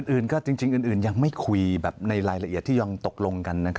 อื่นก็จริงอื่นยังไม่คุยแบบในรายละเอียดที่ยอมตกลงกัน